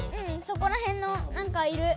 そこらへんのなんかいる！